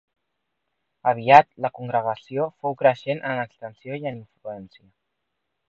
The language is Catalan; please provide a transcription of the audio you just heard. Aviat la congregació fou creixent en extensió i en influència.